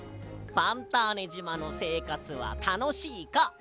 ファンターネじまのせいかつはたのしいか？